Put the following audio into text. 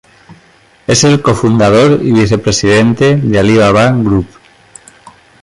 Es el co-fundador y vicepresidente de Alibaba Group.